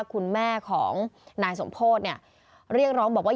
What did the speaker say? คุณแม่ของนายสมโภษเรียกร้องบอกว่า